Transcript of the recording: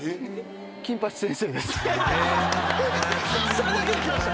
それだけで来ました。